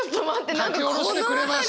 書き下ろしてくれました。